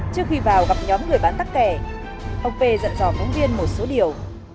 trước khi vào gặp nhóm người bán tắc kè ông p dặn dò phóng viên một số điều